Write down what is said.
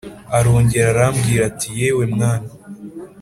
Arongera arambwira ati yewe mwana